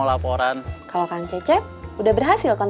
cuma aku sebuah misin pastikan